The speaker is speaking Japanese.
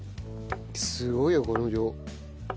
すごいよこの量。